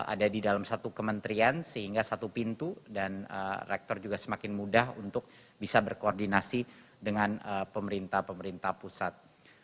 ada di dalam satu kementerian sehingga satu pintu dan rektor juga semakin mudah untuk bisa berkoordinasi dengan pemerintah pemerintah pusat